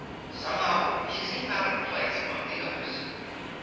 Somehow, he seemed out of place among the others.